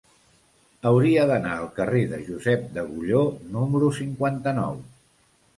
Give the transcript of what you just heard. Hauria d'anar al carrer de Josep d'Agulló número cinquanta-nou.